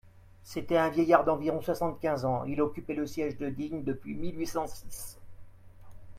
C'était un vieillard d'environ soixante-quinze ans, il occupait le siège de Digne depuis mille huit cent six.